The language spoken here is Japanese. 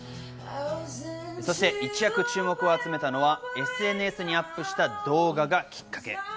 そして、一躍注目を集めたのはＳＮＳにアップした動画がきっかけ。